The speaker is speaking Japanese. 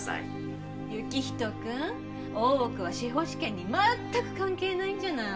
行人君大奥は司法試験にまったく関係ないんじゃない？